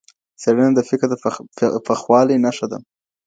څېړنه د فکر د پخوالي نښه ده.